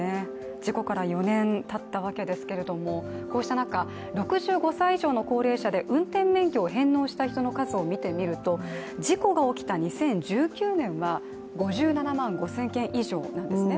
事故から４年たったわけですけれどもこうした中、６５歳以上の高齢者で運転免許を返納した人の数を見てみると事故が起きた２０１９年は５７万５０００件以上なんですね。